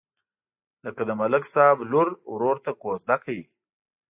لکه د ملک صاحب لور ورور ته کوزده کوي.